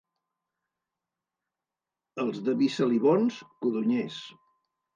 Els de Visalibons, codonyers.